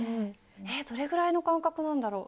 えどれぐらいの間隔なんだろう？